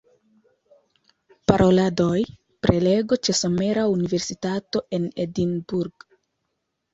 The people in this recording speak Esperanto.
Paroladoj; prelego ĉe Somera Universitato en Edinburgh.